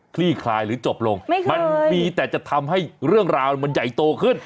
ลี่คลายหรือจบลงมันมีแต่จะทำให้เรื่องราวมันใหญ่โตขึ้น